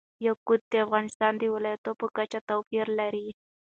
یاقوت د افغانستان د ولایاتو په کچه توپیر لري.